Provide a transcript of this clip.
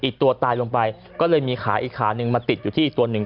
อีกตัวตายลงไปก็เลยมีขาอีกขาหนึ่งมาติดอยู่ที่อีกตัวหนึ่ง